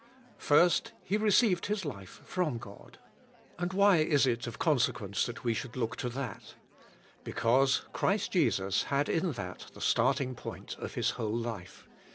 First, He received His life from God. And 74 CHRIST OUR LIFE why is it of consequence that we should look to that? Because Christ Jesus had in that the start ing point of His whole life.